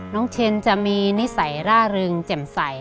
เชนจะมีนิสัยร่าเริงแจ่มใส